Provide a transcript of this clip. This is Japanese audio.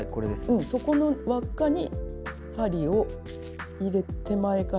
うんそこの輪っかに針を入れ手前から。